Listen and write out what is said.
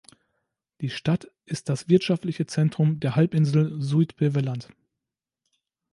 Die Stadt ist das wirtschaftliche Zentrum der Halbinsel Zuid-Beveland.